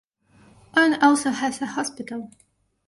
Oyen also has a hospital.